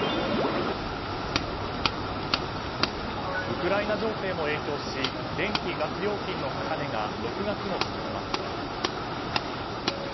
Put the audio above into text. ウクライナ情勢も影響し電気・ガス料金の高値が６月も続きます。